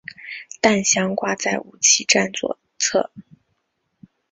弹箱挂在武器站左侧。